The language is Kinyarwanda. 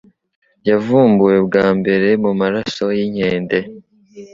yavumbuwe bwa mbere mu maraso y'inkende